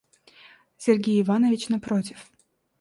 Сергей Иванович напротив.